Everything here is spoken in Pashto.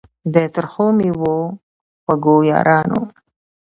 د ترخو میو خوږو یارانو